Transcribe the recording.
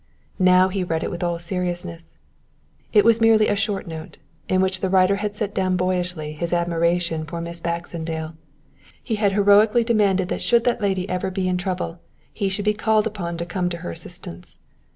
Now he read it with all seriousness. It was merely a short note, in which the writer had set down boyishly his admiration for Miss Baxendale. He had heroically demanded that should that lady ever be in trouble, he should be called upon to come to her assistance.